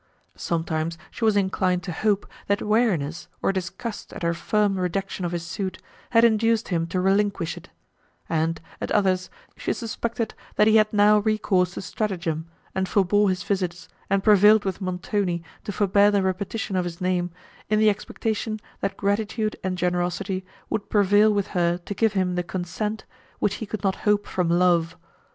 Sometimes she was inclined to hope, that weariness, or disgust at her firm rejection of his suit had induced him to relinquish it; and, at others, she suspected that he had now recourse to stratagem, and forbore his visits, and prevailed with Montoni to forbear the repetition of his name, in the expectation that gratitude and generosity would prevail with her to give him the consent, which he could not hope from love.